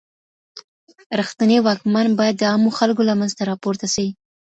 رښتنی واکمن بايد د عامو خلګو له منځه راپورته سي.